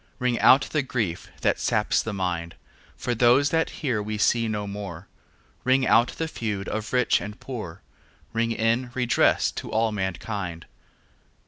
Ring out the grief that saps the mind, For those that here we see no more, Ring out the feud of rich and poor, Ring in redress to all mankind.